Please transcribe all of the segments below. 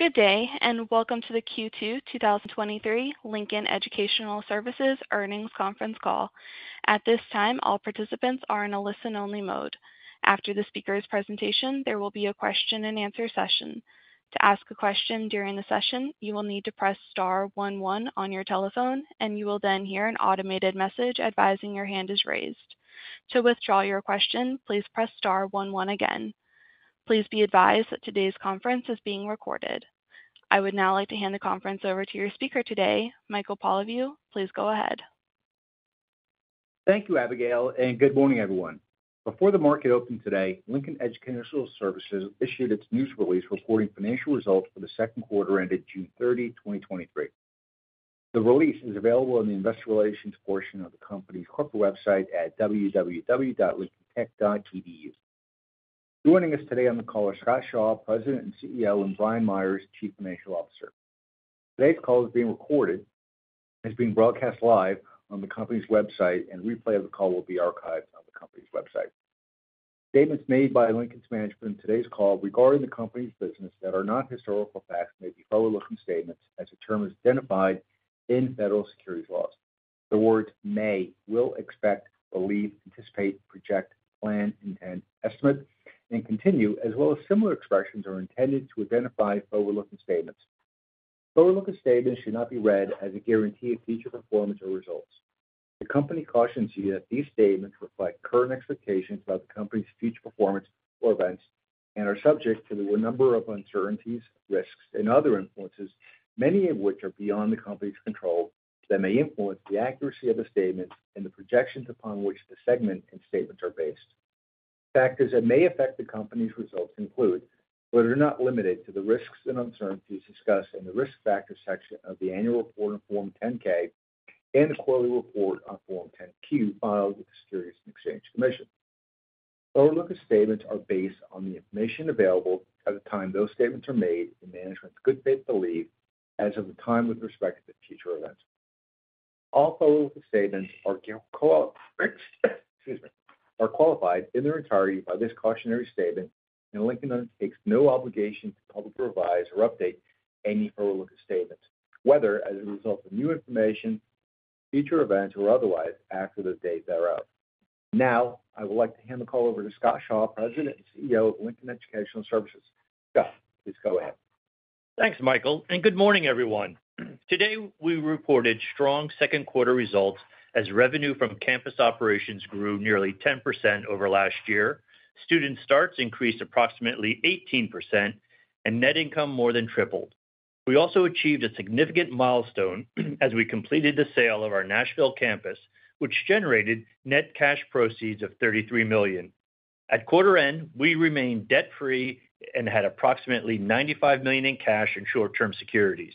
Good day, and welcome to the Q2 2023 Lincoln Educational Services Earnings Conference Call. At this time, all participants are in a listen-only mode. After the speaker's presentation, there will be a question-and-answer session. To ask a question during the session, you will need to press star one one on your telephone, and you will then hear an automated message advising your hand is raised. To withdraw your question, please press star one one again. Please be advised that today's conference is being recorded. I would now like to hand the conference over to your speaker today, Michael Polyviou. Please go ahead. Thank you, Abigail, and good morning, everyone. Before the market opened today, Lincoln Educational Services issued its news release reporting financial results for the Q2 ended June 30, 2023. The release is available on the Investor Relations portion of the company's corporate website at www.lincolntech.edu. Joining us today on the call are Scott Shaw, President and CEO, and Brian Meyers, Chief Financial Officer. Today's call is being recorded and is being broadcast live on the company's website, and a replay of the call will be archived on the company's website. Statements made by Lincoln's management in today's call regarding the company's business that are not historical facts may be forward-looking statements as the term is identified in federal securities laws. The words may, will, expect, believe, anticipate, project, plan, intend, estimate, and continue, as well as similar expressions, are intended to identify forward-looking statements. Forward-looking statements should not be read as a guarantee of future performance or results. The company cautions you that these statements reflect current expectations about the company's future performance or events and are subject to a number of uncertainties, risks, and other influences, many of which are beyond the company's control, that may influence the accuracy of the statements and the projections upon which the segment and statements are based. Factors that may affect the company's results include, but are not limited to, the risks and uncertainties discussed in the Risk Factors section of the annual report on Form 10-K and the quarterly report on Form 10-Q, filed with the Securities and Exchange Commission. Forward-looking statements are based on the information available at the time those statements are made in management's good faith belief as of the time with respect to the future events. All forward statements are excuse me, are qualified in their entirety by this cautionary statement, and Lincoln undertakes no obligation to publicly revise or update any forward-looking statements, whether as a result of new information, future events, or otherwise, after the date thereof. Now, I would like to hand the call over to Scott Shaw, President and CEO of Lincoln Educational Services. Scott, please go ahead. Thanks, Michael. Good morning, everyone. Today, we reported strong Q2 results as revenue from campus operations grew nearly 10% over last year. Student starts increased approximately 18% and net income more than tripled. We also achieved a significant milestone as we completed the sale of our Nashville campus, which generated net cash proceeds of $33 million. At quarter end, we remained debt-free and had approximately $95 million in cash and short-term securities.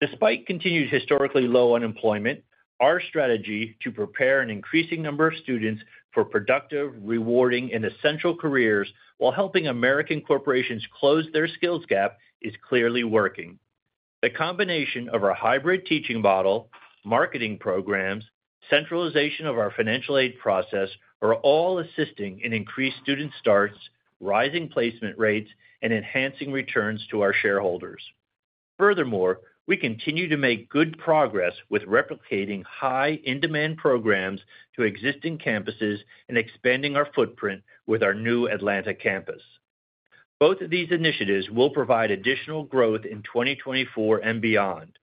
Despite continued historically low unemployment, our strategy to prepare an increasing number of students for productive, rewarding, and essential careers while helping American corporations close their skills gap is clearly working. The combination of our hybrid teaching model, marketing programs, centralization of our financial aid process, are all assisting in increased student starts, rising placement rates, and enhancing returns to our shareholders. Furthermore, we continue to make good progress with replicating high in-demand programs to existing campuses and expanding our footprint with our new Atlanta campus. Both of these initiatives will provide additional growth in 2024 and beyond.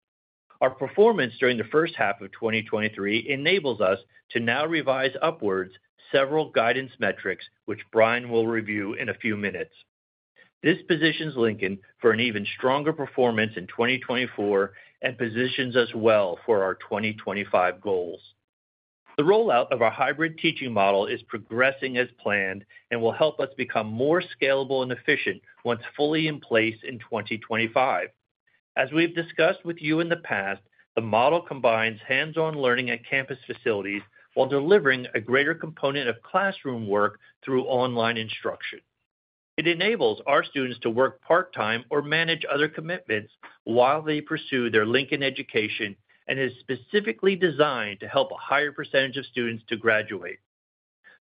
Our performance during the H1 of 2023 enables us to now revise upwards several guidance metrics, which Brian will review in a few minutes. This positions Lincoln for an even stronger performance in 2024 and positions us well for our 2025 goals. The rollout of our hybrid teaching model is progressing as planned and will help us become more scalable and efficient once fully in place in 2025. As we've discussed with you in the past, the model combines hands-on learning at campus facilities while delivering a greater component of classroom work through online instruction. It enables our students to work part-time or manage other commitments while they pursue their Lincoln education and is specifically designed to help a higher percentage of students to graduate.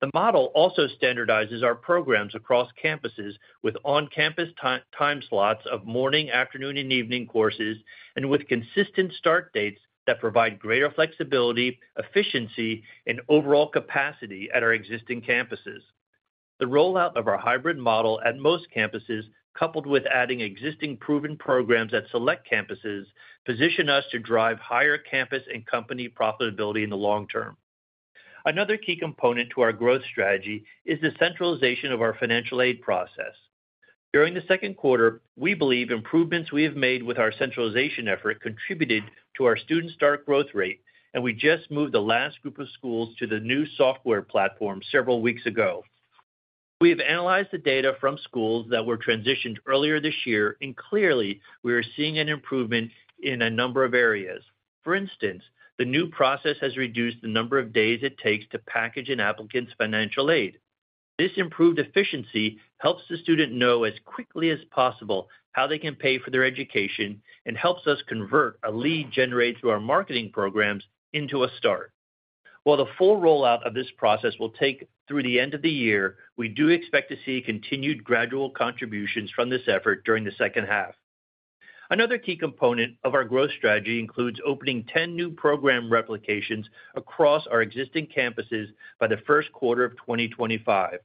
The model also standardizes our programs across campuses with on-campus time, time slots of morning, afternoon, and evening courses, and with consistent start dates that provide greater flexibility, efficiency, and overall capacity at our existing campuses. The rollout of our hybrid model at most campuses, coupled with adding existing proven programs at select campuses, position us to drive higher campus and company profitability in the long term. Another key component to our growth strategy is the centralization of our financial aid process. During the Q2, we believe improvements we have made with our centralization effort contributed to our student start growth rate, and we just moved the last group of schools to the new software platform several weeks ago. We have analyzed the data from schools that were transitioned earlier this year. Clearly, we are seeing an improvement in a number of areas. For instance, the new process has reduced the number of days it takes to package an applicant's financial aid. This improved efficiency helps the student know as quickly as possible how they can pay for their education and helps us convert a lead generated through our marketing programs into a start. The full rollout of this process will take through the end of the year, we do expect to see continued gradual contributions from this effort during the H2. Another key component of our growth strategy includes opening 10 new program replications across our existing campuses by the Q1 of 2025.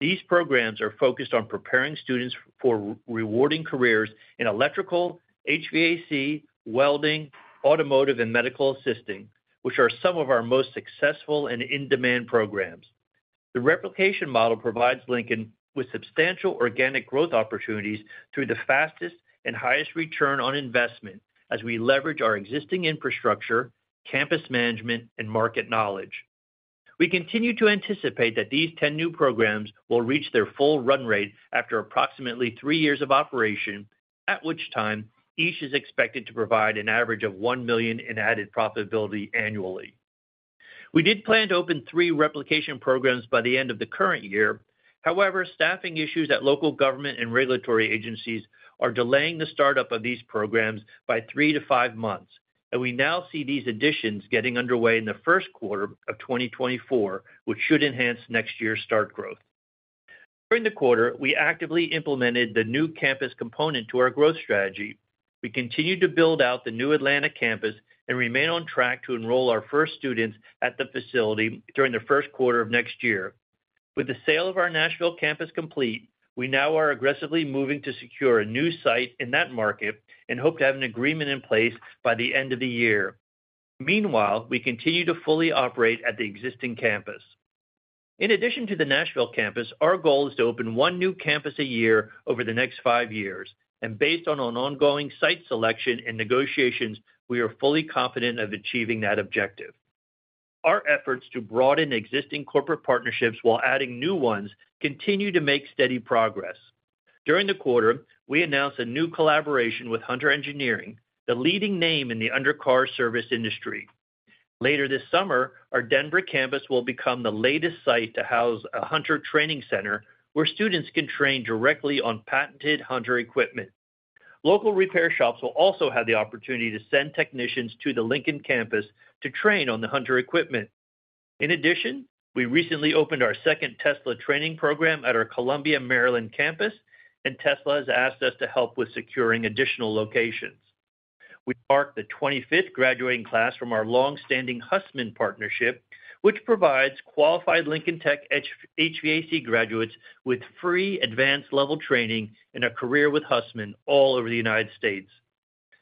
These programs are focused on preparing students for rewarding careers in electrical, HVAC, welding, automotive, and medical assisting, which are some of our most successful and in-demand programs. The replication model provides Lincoln with substantial organic growth opportunities through the fastest and highest ROI as we leverage our existing infrastructure, campus management, and market knowledge. We continue to anticipate that these 10 new programs will reach their full run rate after approximately three years of operation, at which time each is expected to provide an average of $1 million in added profitability annually. We did plan to open three replication programs by the end of the current year. However, staffing issues at local government and regulatory agencies are delaying the startup of these programs by 3 to 5 months, and we now see these additions getting underway in the Q1 of 2024, which should enhance next year's start growth. During the quarter, we actively implemented the new campus component to our growth strategy. We continued to build out the new Atlanta campus and remain on track to enroll our first students at the facility during the Q1 of next year. With the sale of our Nashville campus complete, we now are aggressively moving to secure a new site in that market and hope to have an agreement in place by the end of the year. Meanwhile, we continue to fully operate at the existing campus. In addition to the Nashville campus, our goal is to open one new campus a year over the next five years, and based on an ongoing site selection and negotiations, we are fully confident of achieving that objective. Our efforts to broaden existing corporate partnerships while adding new ones continue to make steady progress. During the quarter, we announced a new collaboration with Hunter Engineering, the leading name in the undercar service industry. Later this summer, our Denver campus will become the latest site to house a Hunter training center, where students can train directly on patented Hunter equipment. Local repair shops will also have the opportunity to send technicians to the Lincoln campus to train on the Hunter equipment. In addition, we recently opened our second Tesla training program at our Columbia, Maryland campus, and Tesla has asked us to help with securing additional locations. We marked the 25th graduating class from our long-standing Hussmann partnership, which provides qualified Lincoln Tech HVAC graduates with free advanced level training and a career with Hussmann all over the U.S.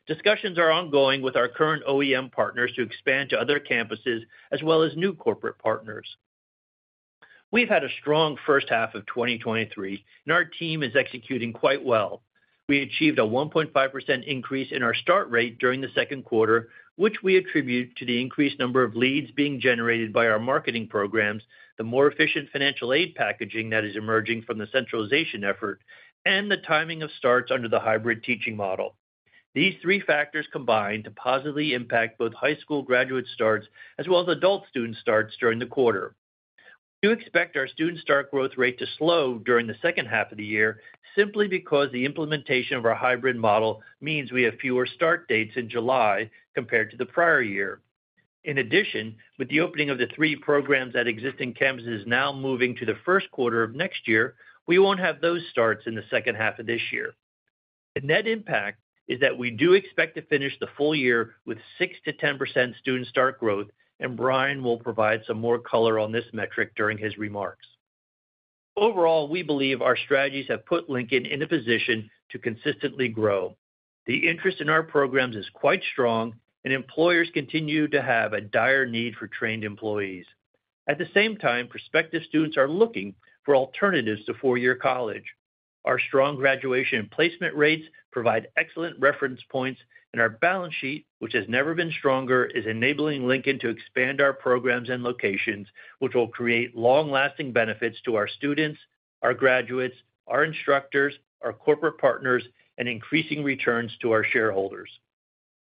Discussions are ongoing with our current OEM partners to expand to other campuses, as well as new corporate partners. We've had a strong H1 of 2023. Our team is executing quite well. We achieved a 1.5% increase in our start rate during the Q2, which we attribute to the increased number of leads being generated by our marketing programs, the more efficient financial aid packaging that is emerging from the centralization effort, and the timing of starts under the hybrid teaching model. These three factors combine to positively impact both high school graduate starts as well as adult student starts during the quarter. We do expect our student start growth rate to slow during the H2 of the year, simply because the implementation of our hybrid model means we have fewer start dates in July compared to the prior year. With the opening of the three programs at existing campuses now moving to the Q1 of next year, we won't have those starts in the H2 of this year. The net impact is that we do expect to finish the full year with 6%-10% student start growth, and Brian will provide some more color on this metric during his remarks. We believe our strategies have put Lincoln in a position to consistently grow. The interest in our programs is quite strong, and employers continue to have a dire need for trained employees. At the same time, prospective students are looking for alternatives to four-year college. Our strong graduation and placement rates provide excellent reference points, and our balance sheet, which has never been stronger, is enabling Lincoln to expand our programs and locations, which will create long-lasting benefits to our students, our graduates, our instructors, our corporate partners, and increasing returns to our shareholders.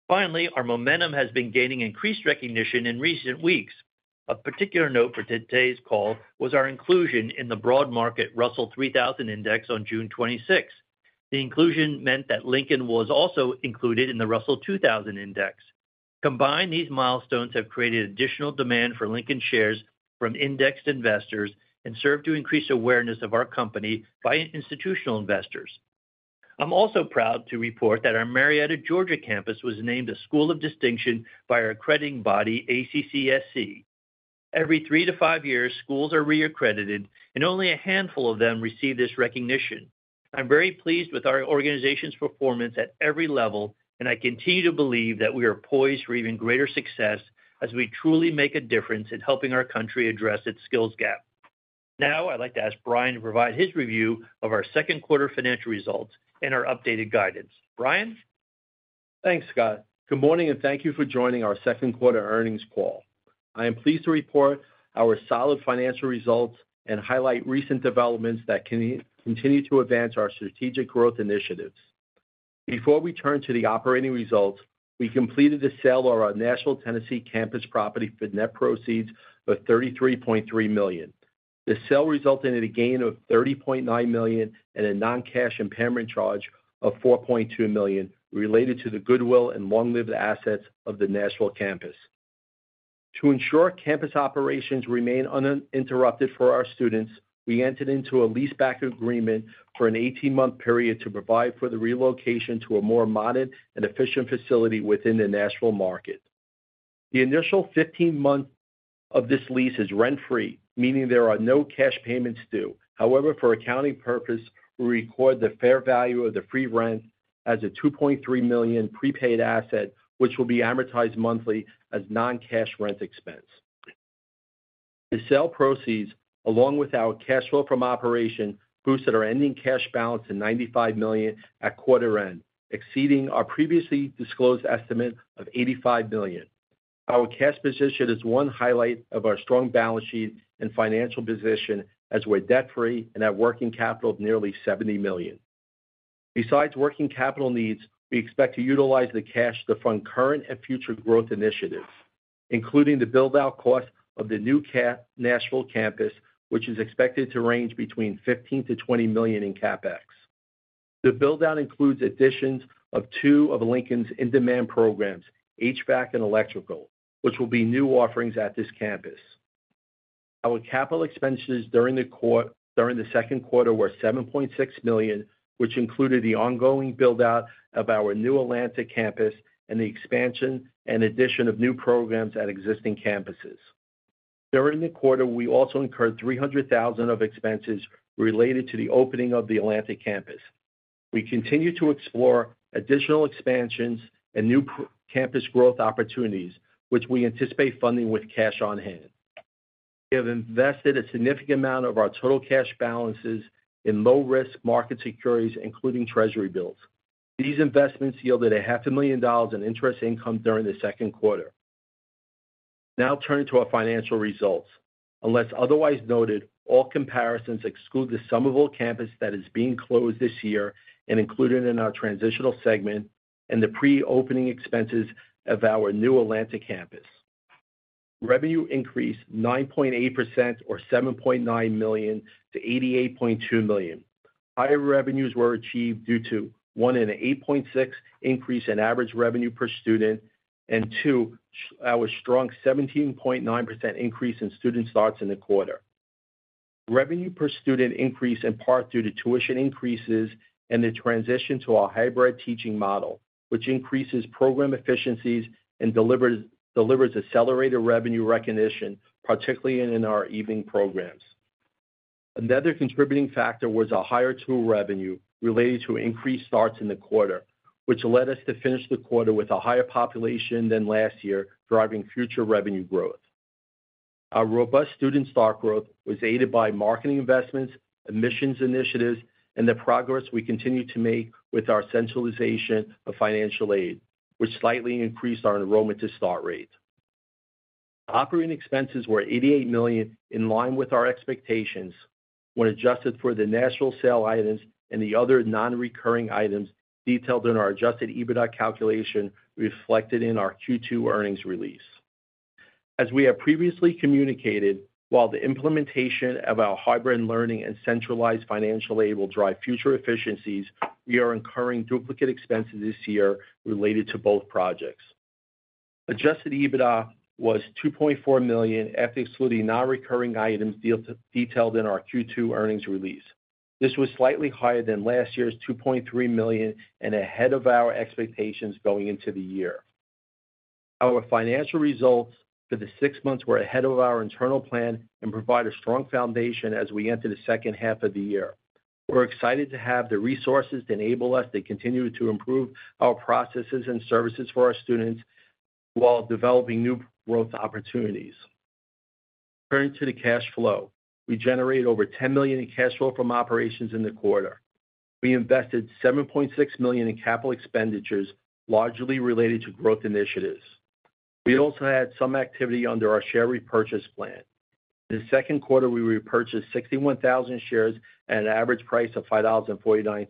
Finally, our momentum has been gaining increased recognition in recent weeks. Of particular note for today's call was our inclusion in the broad market Russell 3000 index on June 26. The inclusion meant that Lincoln was also included in the Russell 2000 index. Combined, these milestones have created additional demand for Lincoln shares from indexed investors and served to increase awareness of our company by institutional investors. I'm also proud to report that our Marietta, Georgia, campus was named a school of distinction by our accrediting body, ACCSC. Every three to five years, schools are reaccredited, and only a handful of them receive this recognition. I'm very pleased with our organization's performance at every level, and I continue to believe that we are poised for even greater success as we truly make a difference in helping our country address its skills gap. I'd like to ask Brian to provide his review of our Q2 financial results and our updated guidance. Brian? Thanks, Scott. Good morning, thank you for joining our Q2 earnings call. I am pleased to report our solid financial results and highlight recent developments that can continue to advance our strategic growth initiatives. Before we turn to the operating results, we completed the sale of our Nashville, Tennessee, campus property for net proceeds of $33.3 million. The sale resulted in a gain of $30.9 million and a non-cash impairment charge of $4.2 million related to the goodwill and long-lived assets of the Nashville campus. To ensure campus operations remain uninterrupted for our students, we entered into a leaseback agreement for an 18-month period to provide for the relocation to a more modern and efficient facility within the Nashville market. The initial 15 months of this lease is rent-free, meaning there are no cash payments due. However, for accounting purpose, we record the fair value of the free rent as a $2.3 million prepaid asset, which will be amortized monthly as non-cash rent expense. The sale proceeds, along with our cash flow from operation, boosted our ending cash balance to $95 million at quarter end, exceeding our previously disclosed estimate of $85 million. Our cash position is one highlight of our strong balance sheet and financial position, as we're debt-free and have working capital of nearly $70 million. Besides working capital needs, we expect to utilize the cash to fund current and future growth initiatives, including the build-out cost of the new Nashville campus, which is expected to range between $15-$20 million in CapEx. The build-out includes additions of two of Lincoln's in-demand programs, HVAC and electrical, which will be new offerings at this campus. Our capital expenses during the Q2 were $7.6 million, which included the ongoing build-out of our new Atlanta campus and the expansion and addition of new programs at existing campuses. During the quarter, we also incurred $300,000 of expenses related to the opening of the Atlanta campus. We continue to explore additional expansions and new campus growth opportunities, which we anticipate funding with cash on hand. We have invested a significant amount of our total cash balances in low-risk market securities, including treasury bills. These investments yielded $500,000 in interest income during the Q2. Turning to our financial results. Unless otherwise noted, all comparisons exclude the Somerville campus that is being closed this year and included in our transitional segment and the pre-opening expenses of our new Atlanta campus. Revenue increased 9.8% or $7.9- $88.2 million. Higher revenues were achieved due to, 1, an 8.6% increase in average revenue per student, and 2, our strong 17.9% increase in student starts in the quarter. Revenue per student increased in part due to tuition increases and the transition to our hybrid teaching model, which increases program efficiencies and delivers, delivers accelerated revenue recognition, particularly in our evening programs. Another contributing factor was a higher tool revenue related to increased starts in the quarter, which led us to finish the quarter with a higher population than last year, driving future revenue growth. Our robust student start growth was aided by marketing investments, admissions initiatives, and the progress we continue to make with our centralization of financial aid, which slightly increased our enrollment to start rates. Operating expenses were $88 million, in line with our expectations when adjusted for the Nashville sale items and the other non-recurring items detailed in our Adjusted EBITDA calculation reflected in our Q2 earnings release. As we have previously communicated, while the implementation of our hybrid learning and centralized financial aid will drive future efficiencies, we are incurring duplicate expenses this year related to both projects. Adjusted EBITDA was $2.4 million, after excluding non-recurring items detailed in our Q2 earnings release. This was slightly higher than last year's $2.3 million and ahead of our expectations going into the year. Our financial results for the six months were ahead of our internal plan and provide a strong foundation as we enter the H2 of the year. We're excited to have the resources to enable us to continue to improve our processes and services for our students while developing new growth opportunities. Turning to the cash flow. We generated over $10 million in cash flow from operations in the quarter. We invested $7.6 million in capital expenditures, largely related to growth initiatives. We also had some activity under our share repurchase plan. In the Q2, we repurchased 61,000 shares at an average price of $5.49.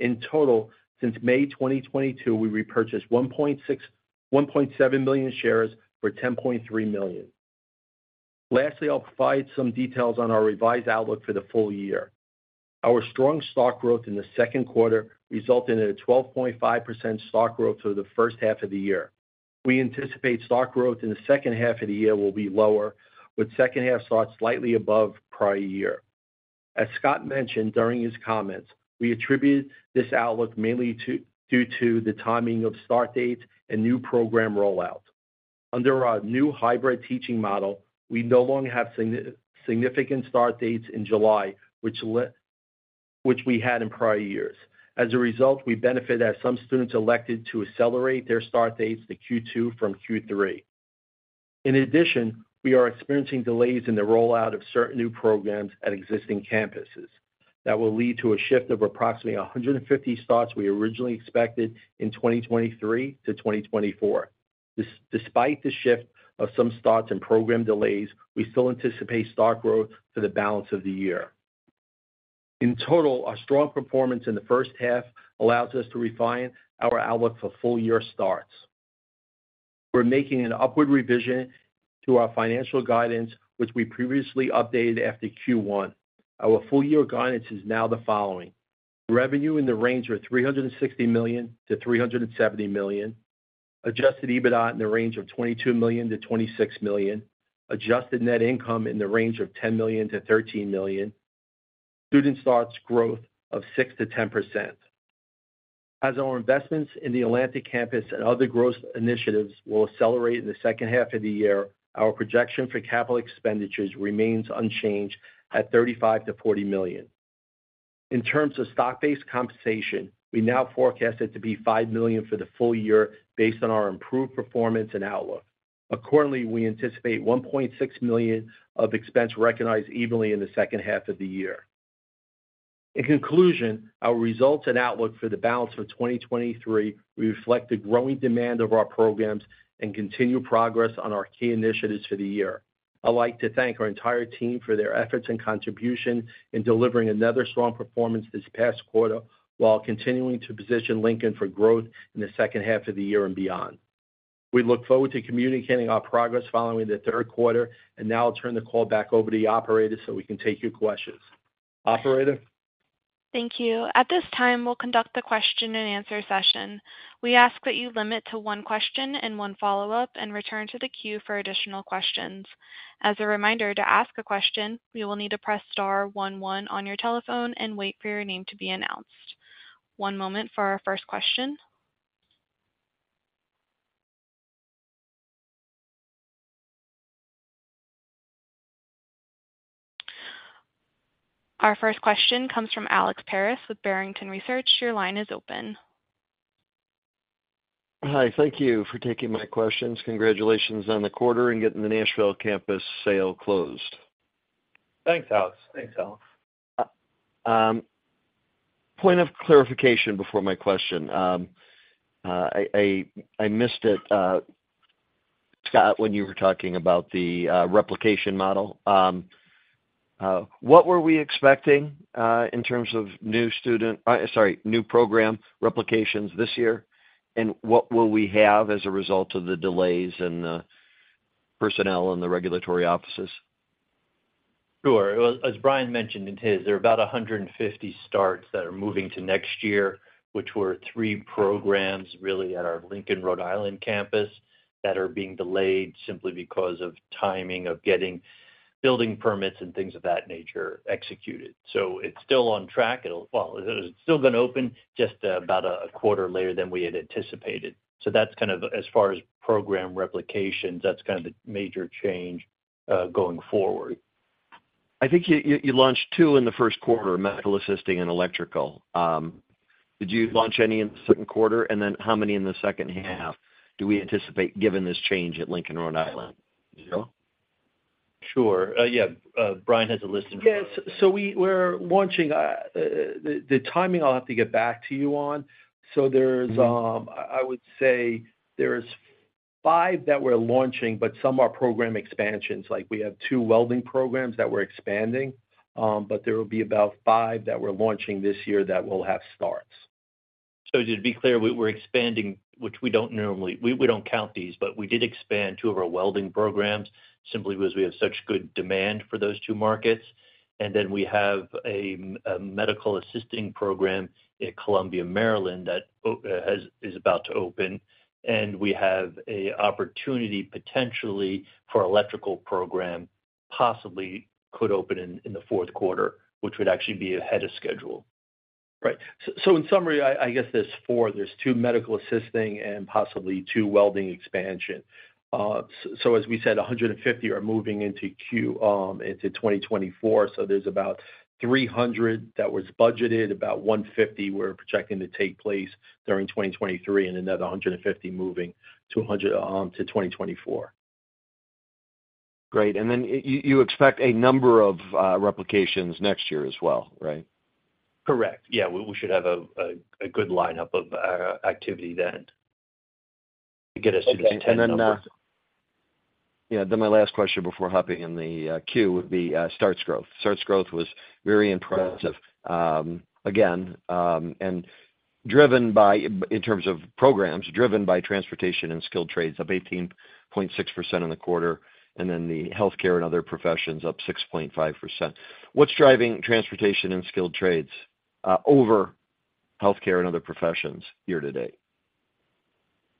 In total, since May 2022, we repurchased 1.6 million-1.7 million shares for $10.3 million. Lastly, I'll provide some details on our revised outlook for the full year. Our strong start growth in the Q2 resulted in a 12.5% start growth for the H1 of the year. We anticipate start growth in the H2 of the year will be lower, with H2 starts slightly above prior year. As Scott mentioned during his comments, we attribute this outlook mainly to, due to the timing of start dates and new program rollouts. Under our new hybrid teaching model, we no longer have significant start dates in July, which we had in prior years. As a result, we benefit as some students elected to accelerate their start dates to Q2 from Q3. In addition, we are experiencing delays in the rollout of certain new programs at existing campuses. That will lead to a shift of approximately 150 starts we originally expected in 2023 to 2024. Despite the shift of some starts and program delays, we still anticipate start growth for the balance of the year. In total, our strong performance in the H1 allows us to refine our outlook for full year starts. We're making an upward revision to our financial guidance, which we previously updated after Q1. Our full year guidance is now the following: Revenue in the range of $360-$370 million, Adjusted EBITDA in the range of $22- $26 million, adjusted net income in the range of $10-$13 million, student Start Growth of 6%-10%. As our investments in the Atlanta campus and other growth initiatives will accelerate in the H2 of the year, our projection for capital expenditures remains unchanged at $35-$40 million. In terms of stock-based compensation, we now forecast it to be $5 million for the full year based on our improved performance and outlook. Accordingly, we anticipate $1.6 million of expense recognized evenly in the H2 of the year. In conclusion, our results and outlook for the balance of 2023 reflect the growing demand of our programs and continued progress on our key initiatives for the year. I'd like to thank our entire team for their efforts and contribution in delivering another strong performance this past quarter, while continuing to position Lincoln for growth in the H2 of the year and beyond. Now I'll turn the call back over to the operator, so we can take your questions. Operator? Thank you. At this time, we'll conduct the question-and-answer session. We ask that you limit to one question and one follow-up, and return to the queue for additional questions. As a reminder, to ask a question, you will need to press star 1, 1 on your telephone and wait for your name to be announced. One moment for our first question. Our first question comes from Alex Paris with Barrington Research. Your line is open. Hi, thank you for taking my questions. Congratulations on the quarter and getting the Nashville campus sale closed. Thanks, Alex. Thanks, Alex. Point of clarification before my question. I, I, I missed it, Scott, when you were talking about the replication model. What were we expecting in terms of new student... sorry, new program replications this year, and what will we have as a result of the delays and the personnel in the regulatory offices? Sure. Well, as Brian mentioned in his, there are about 150 starts that are moving to next year, which were three programs really at our Lincoln, Rhode Island, campus, that are being delayed simply because of timing of getting building permits and things of that nature executed. It's still on track. Well, it's still going to open, just about a quarter later than we had anticipated. That's kind of as far as program replications, that's kind of the major change going forward. I think you, you, you launched 2 in the Q1, medical assisting and electrical. Did you launch any in the Q2? How many in the H2 do we anticipate, given this change at Lincoln, Rhode Island? 0. Sure. Yeah, Brian has a list- Yes, so we- we're launching. The, the timing, I'll have to get back to you on. There's, I would say there's 5 that we're launching, but some are program expansions. Like, we have 2 welding programs that we're expanding, but there will be about 5 that we're launching this year that will have starts. Just to be clear, we're expanding, which we don't normally, we don't count these, but we did expand 2 of our welding programs simply because we have such good demand for those 2 markets. Then we have a medical assisting program in Columbia, Maryland, that has, is about to open, and we have a opportunity potentially for electrical program, possibly could open in, in the 4th quarter, which would actually be ahead of schedule. Right. So in summary, I, I guess there's 4. There's 2 medical assisting and possibly 2 welding expansion. so as we said, 150 are moving into Q, into 2024. There's about 300 that was budgeted, about 150 we're projecting to take place during 2023, and another 150 moving to 100, to 2024. Great. Then you, you expect a number of replications next year as well, right? Correct. Yeah, we should have a good lineup of activity then to get us to the 10 number. Yeah. My last question before hopping in the queue would be starts growth. Starts growth was very impressive, again, and driven by, in terms of programs, driven by transportation and skilled trades, up 18.6% in the quarter, and then the healthcare and other professions up 6.5%. What's driving transportation and skilled trades over healthcare and other professions year to date?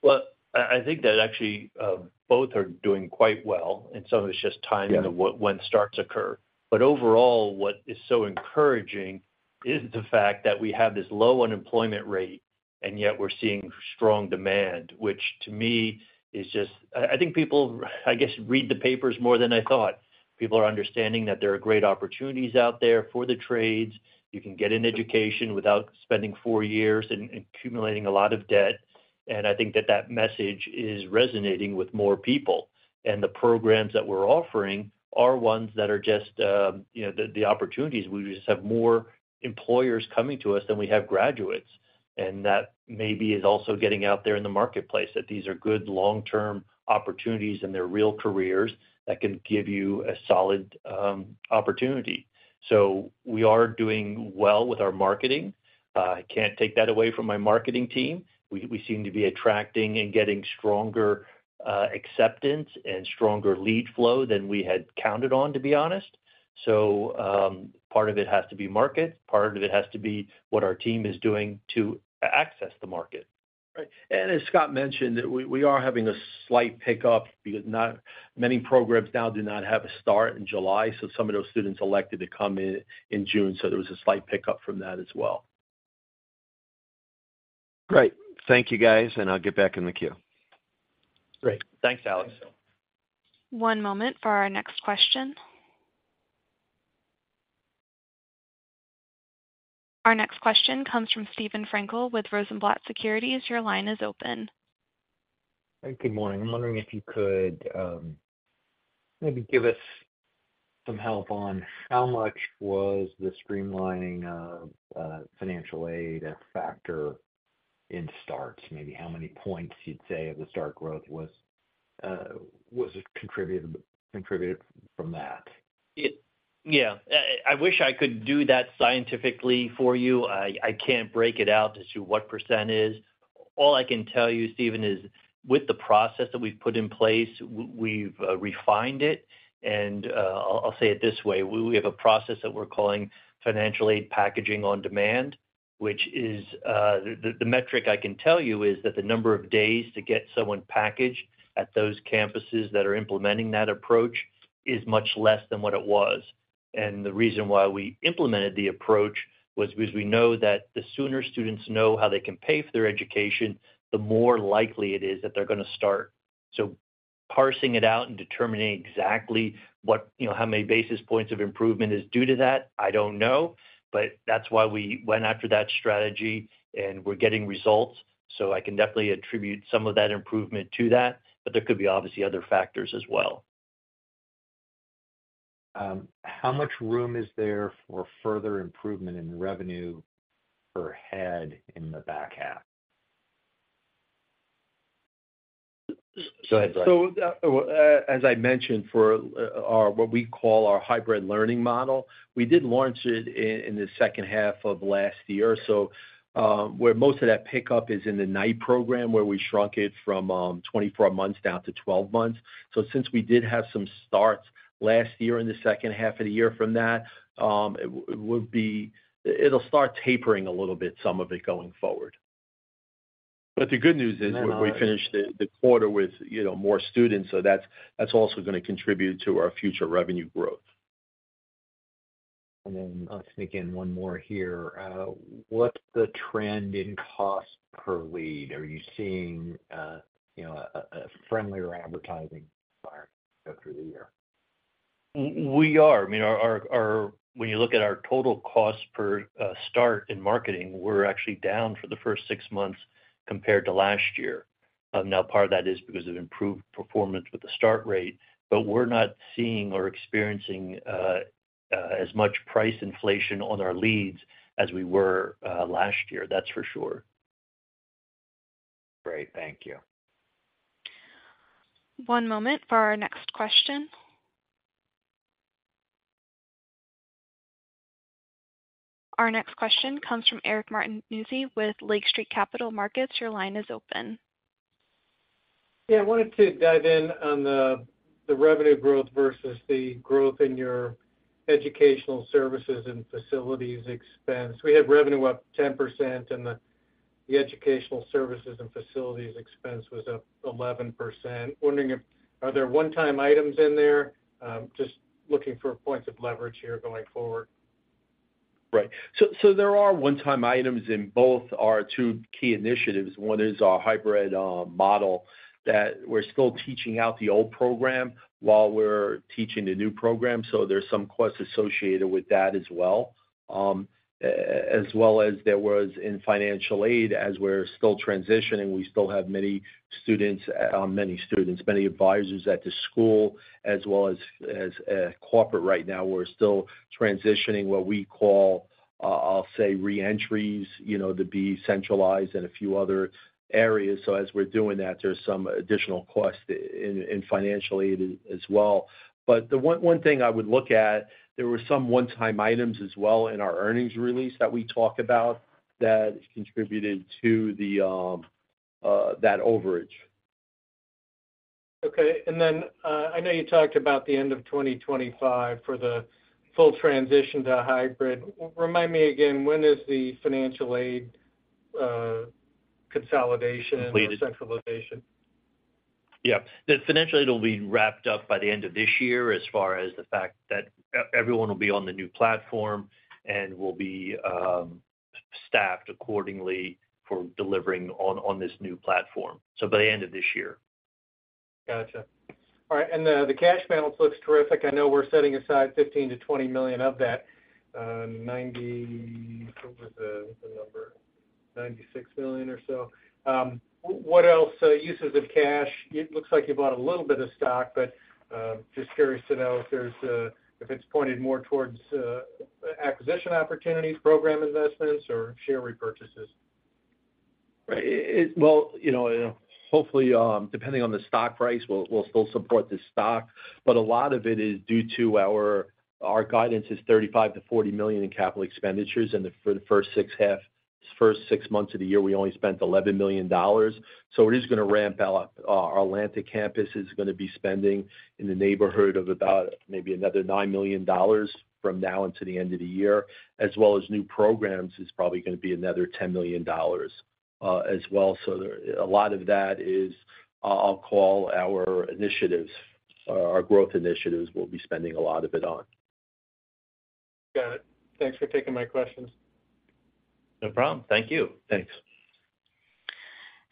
Well, I, I think that actually, both are doing quite well, and some of it's just timing. Yeah... of when starts occur. Overall, what is so encouraging is the fact that we have this low unemployment rate, and yet we're seeing strong demand, which to me is just... I think people, I guess, read the papers more than I thought. People are understanding that there are great opportunities out there for the trades. You can get an education without spending four years and accumulating a lot of debt, and I think that that message is resonating with more people. The programs that we're offering are ones that are just, you know, the opportunities, we just have more employers coming to us than we have graduates. That maybe is also getting out there in the marketplace, that these are good long-term opportunities, and they're real careers that can give you a solid opportunity. We are doing well with our marketing. I can't take that away from my marketing team. We seem to be attracting and getting stronger acceptance and stronger lead flow than we had counted on, to be honest. Part of it has to be market, part of it has to be what our team is doing to access the market. Right. As Scott mentioned, that we, we are having a slight pickup because not many programs now do not have a start in July, so some of those students elected to come in, in June, so there was a slight pickup from that as well. Great. Thank you, guys, and I'll get back in the queue. Great. Thanks, Alex. One moment for our next question. Our next question comes from Steven Frankel with Rosenblatt Securities. Your line is open. Hey, good morning. I'm wondering if you could maybe give us some help on how much was the streamlining of financial aid a factor in starts? Maybe how many points you'd say of the start growth was contributed, contributed from that? Yeah, I, I wish I could do that scientifically for you. I, I can't break it out as to what percent is. All I can tell you, Steven, is with the process that we've put in place, we've refined it, and I'll, I'll say it this way: We have a process that we're calling financial aid packaging on demand, which is, the metric I can tell you is that the number of days to get someone packaged at those campuses that are implementing that approach is much less than what it was. The reason why we implemented the approach was because we know that the sooner students know how they can pay for their education, the more likely it is that they're gonna start. Parsing it out and determining exactly what, you know, how many basis points of improvement is due to that, I don't know, but that's why we went after that strategy, and we're getting results. I can definitely attribute some of that improvement to that, but there could be, obviously, other factors as well. How much room is there for further improvement in revenue per head in the back half? Go ahead, Brian. As I mentioned, for our, what we call our hybrid learning model, we did launch it in the H2 of last year. Where most of that pickup is in the night program, where we shrunk it from 24 months down to 12 months. Since we did have some starts last year in the H2 of the year from that, it'll start tapering a little bit, some of it, going forward. The good news is, we finished the quarter with, you know, more students, so that's also gonna contribute to our future revenue growth. Then I'll sneak in one more here. What's the trend in cost per lead? Are you seeing, you know, a friendlier advertising environment go through the year? We are. I mean, our when you look at our total cost per start in marketing, we're actually down for the first 6 months compared to last year. Part of that is because of improved performance with the start rate, but we're not seeing or experiencing as much price inflation on our leads as we were last year. That's for sure. Great. Thank you. One moment for our next question. Our next question comes from Eric Martinuzzi with Lake Street Capital Markets. Your line is open. Yeah, I wanted to dive in on the, the revenue growth versus the growth in your educational services and facilities expense. We had revenue up 10%, and the, the educational services and facilities expense was up 11%. Wondering if, are there one-time items in there? Just looking for points of leverage here going forward. Right. There are one-time items in both our 2 key initiatives. One is our hybrid model, that we're still teaching out the old program while we're teaching the new program, so there's some costs associated with that as well. As well as there was in financial aid, as we're still transitioning, we still have many students, many advisors at the school, as well as corporate right now. We're still transitioning what we call, I'll say, reentries, you know, to be centralized in a few other areas. As we're doing that, there's some additional costs in financial aid as well. The one thing I would look at, there were some one-time items as well in our earnings release that we talked about that contributed to the overage. Okay. Then, I know you talked about the end of 2025 for the full transition to hybrid. Remind me again, when is the financial aid, consolidation- Completed Centralization? Yeah. The financial aid will be wrapped up by the end of this year, as far as the fact that everyone will be on the new platform and will be staffed accordingly for delivering on, on this new platform. By the end of this year. Gotcha. All right, the cash balance looks terrific. I know we're setting aside $15-$20 million of that, ninety... What was the number? $96 million or so. What else uses of cash? It looks like you bought a little bit of stock, but just curious to know if there's if it's pointed more towards acquisition opportunities, program investments, or share repurchases. Right. It, well, you know, hopefully, depending on the stock price, we'll still support the stock, but a lot of it is due to our guidance is $35-$40 million in CapEx, for the first 6 months of the year, we only spent $11 million. It is going to ramp out. Our Atlanta campus is going to be spending in the neighborhood of about maybe another $9 million from now until the end of the year, as well as new programs, is probably going to be another $10 million.... as well. There, a lot of that is, I'll, I'll call our initiatives, our growth initiatives, we'll be spending a lot of it on. Got it. Thanks for taking my questions. No problem. Thank you. Thanks.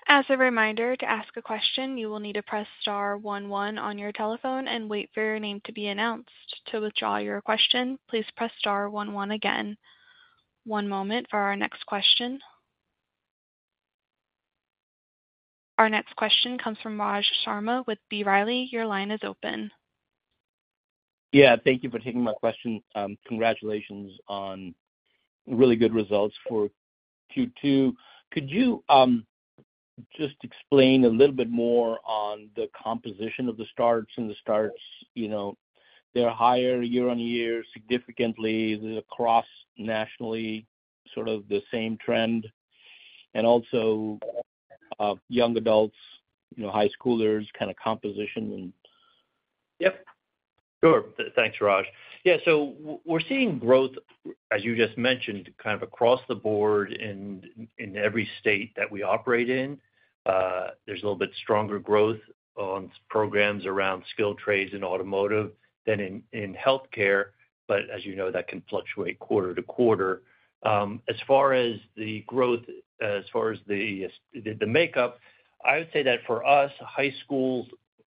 As a reminder, to ask a question, you will need to press star one one on n your telephone and wait for your name to be announced. To withdraw your question, please press star one one again. One moment for our next question. Our next question comes from Raj Sharma with B. Riley. Your line is open. Yeah, thank you for taking my question. Congratulations on really good results for Q2. Could you just explain a little bit more on the composition of the starts, and the starts, you know, they're higher year-on-year, significantly, they're across nationally, sort of the same trend. Also, young adults, you know, high schoolers, kinda composition and. Yep. Sure. Thanks, Raj. Yeah, we're seeing growth, as you just mentioned, kind of across the board in, in every state that we operate in. There's a little bit stronger growth on programs around skilled trades and automotive than in, in healthcare, as you know, that can fluctuate quarter to quarter. As far as the makeup, I would say that for us, high schools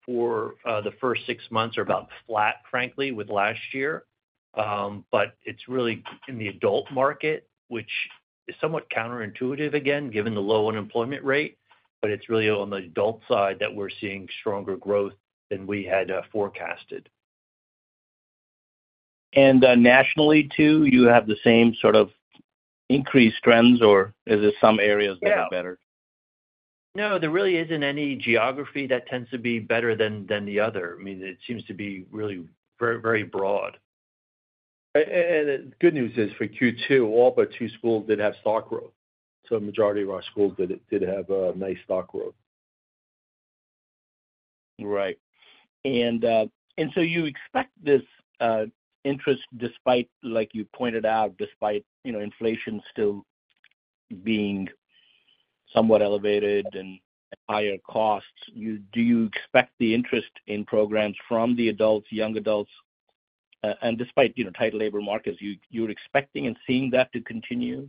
for the first six months are about flat, frankly, with last year. It's really in the adult market, which is somewhat counterintuitive, again, given the low unemployment rate, but it's really on the adult side that we're seeing stronger growth than we had forecasted. Nationally too, you have the same sort of increased trends, or is there some areas that are better? No, there really isn't any geography that tends to be better than, than the other. I mean, it seems to be really very, very broad. And the good news is for Q2, all but two schools did have start growth, so a majority of our schools did, did have a nice start growth. Right. So you expect this interest despite, like you pointed out, despite, you know, inflation still being somewhat elevated and higher costs, do you expect the interest in programs from the adults, young adults, and despite, you know, tight labor markets, you, you're expecting and seeing that to continue?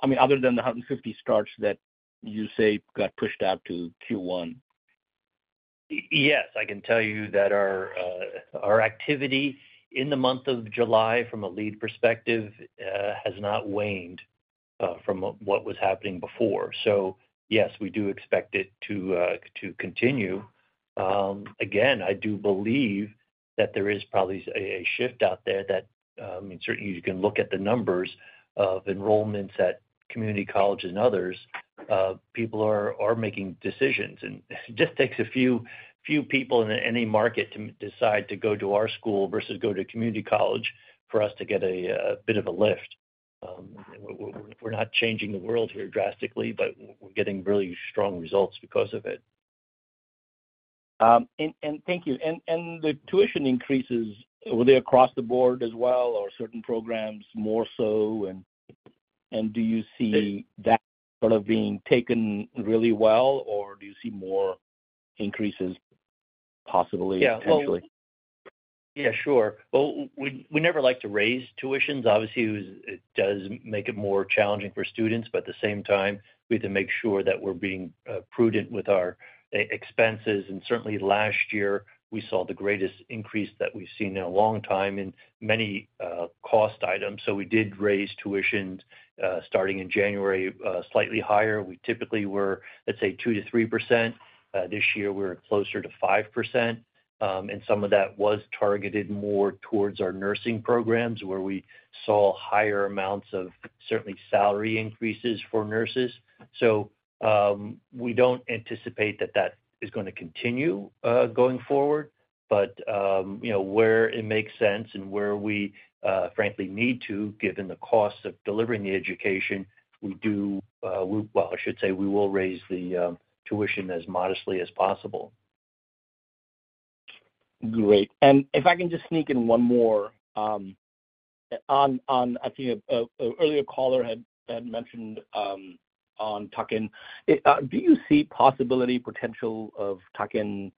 I mean, other than the 150 starts that you say got pushed out to Q1. Yes, I can tell you that our activity in the month of July, from a lead perspective, has not waned from what was happening before. Yes, we do expect it to continue. Again, I do believe that there is probably a shift out there that certainly you can look at the numbers of enrollments at community colleges and others. People are making decisions, and it just takes a few, few people in any market to decide to go to our school versus go to community college for us to get a bit of a lift. We're not changing the world here drastically, but we're getting really strong results because of it. Thank you. The tuition increases, were they across the board as well, or certain programs more so? Do you see that sort of being taken really well, or do you see more increases, possibly, potentially? Yeah, sure. Well, we never like to raise tuitions. Obviously, it does make it more challenging for students, but at the same time, we have to make sure that we're being prudent with our expenses. Certainly, last year, we saw the greatest increase that we've seen in a long time in many cost items, so we did raise tuitions starting in January slightly higher. We typically were, let's say, 2%-3%. This year, we're closer to 5%. Some of that was targeted more towards our nursing programs, where we saw higher amounts of certainly salary increases for nurses. We don't anticipate that that is going to continue, going forward, but, you know, where it makes sense and where we, frankly need to, given the costs of delivering the education, we do, well, I should say, we will raise the tuition as modestly as possible. Great. If I can just sneak in one more, on, I think an earlier caller had mentioned on tuck-in. Do you see possibility, potential of tuck-in,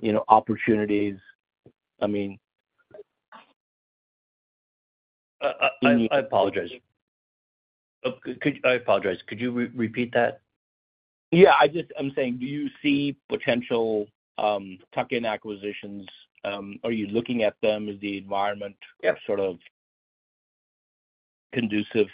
you know, opportunities? I mean? I, I, I apologize. I apologize, could you re-repeat that? Yeah, I'm saying, do you see potential, tuck-in acquisitions? Are you looking at them? Is the environment- Yeah sort of conducive?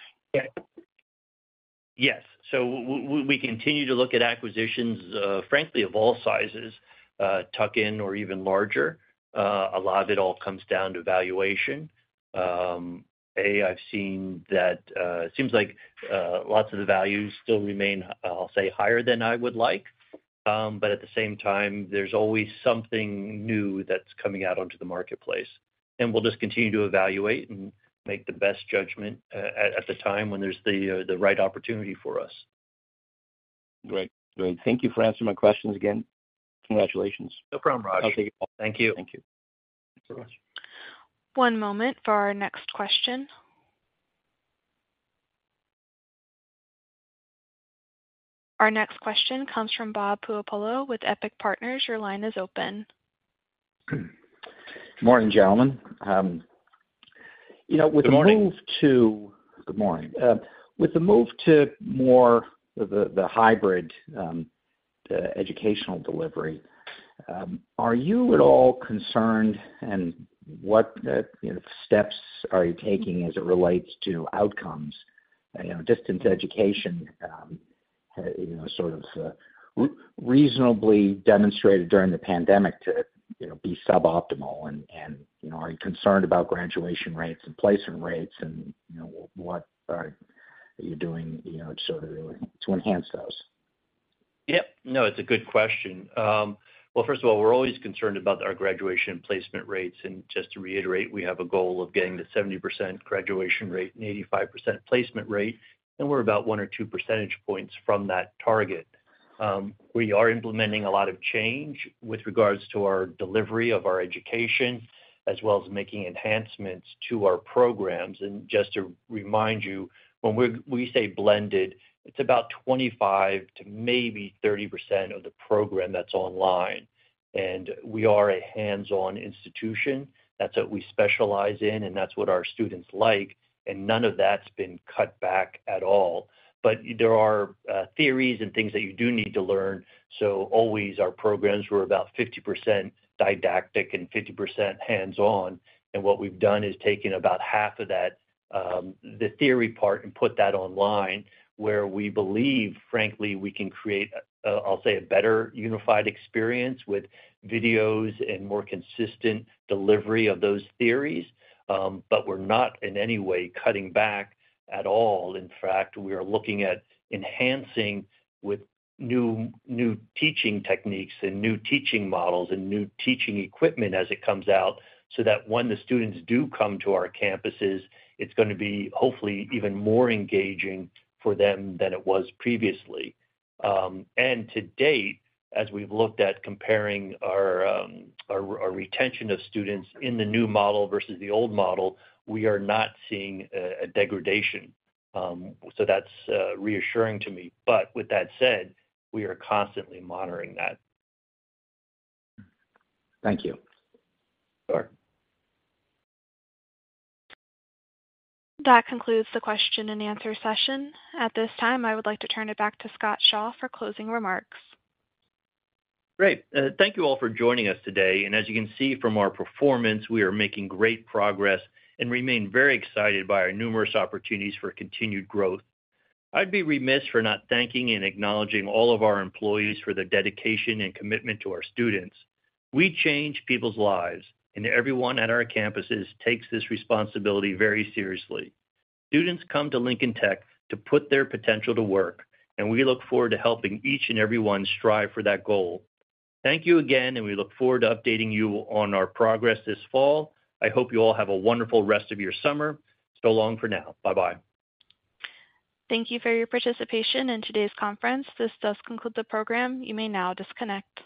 Yes. W-we, we continue to look at acquisitions, frankly, of all sizes, tuck-in or even larger. A lot of it all comes down to valuation. I've seen that... it seems like, lots of the values still remain, I'll say, higher than I would like. At the same time, there's always something new that's coming out onto the marketplace, and we'll just continue to evaluate and make the best judgment a-at the time when there's the right opportunity for us. Great. Great. Thank you for answering my questions. Again, congratulations. No problem, Raj. I'll take it. Thank you. Thank you. Thanks so much. One moment for our next question. Our next question comes from Bob Puopolo with EPIC Capital. Your line is open. Morning, gentlemen. You know, with the move to- Good morning. Good morning. With the move to more the, the hybrid educational delivery, are you at all concerned, and what, you know, steps are you taking as it relates to outcomes? You know, distance education, you know, sort of, reasonably demonstrated during the pandemic to, you know, be suboptimal, and, you know, are you concerned about graduation rates and placement rates? You know, what are you doing, you know, to sort of to enhance those? Yep. No, it's a good question. Well, first of all, we're always concerned about our graduation placement rates, and just to reiterate, we have a goal of getting to 70% graduation rate and 85% placement rate, and we're about one or two percentage points from that target. We are implementing a lot of change with regards to our delivery of our education, as well as making enhancements to our programs. Just to remind you, when we say blended, it's about 25 to maybe 30% of the program that's online. We are a hands-on institution. That's what we specialize in, and that's what our students like, and none of that's been cut back at all. There are theories and things that you do need to learn, so always our programs were about 50% didactic and 50% hands-on, and what we've done is taken about half of that, the theory part, and put that online, where we believe, frankly, we can create a, I'll say, a better unified experience with videos and more consistent delivery of those theories. We're not in any way cutting back at all. In fact, we are looking at enhancing with new, new teaching techniques and new teaching models and new teaching equipment as it comes out, so that when the students do come to our campuses, it's gonna be hopefully even more engaging for them than it was previously. To date, as we've looked at comparing our, our, our retention of students in the new model versus the old model, we are not seeing a, a degradation. That's reassuring to me, but with that said, we are constantly monitoring that. Thank you. Sure. That concludes the question and answer session. At this time, I would like to turn it back to Scott Shaw for closing remarks. Great. Thank you all for joining us today, as you can see from our performance, we are making great progress and remain very excited by our numerous opportunities for continued growth. I'd be remiss for not thanking and acknowledging all of our employees for their dedication and commitment to our students. We change people's lives. Everyone at our campuses takes this responsibility very seriously. Students come to Lincoln Tech to put their potential to work. We look forward to helping each and everyone strive for that goal. Thank you again. We look forward to updating you on our progress this fall. I hope you all have a wonderful rest of your summer. So long for now. Bye-bye. Thank you for your participation in today's conference. This does conclude the program. You may now disconnect.